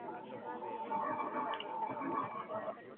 Juan Carlos Calderón.